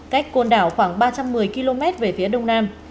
cách côn đảo khoảng ba trăm một mươi km về phía đông nam